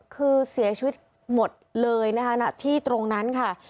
คือเสียชีวิตหมดเลยนะคะณที่ตรงนั้นค่ะ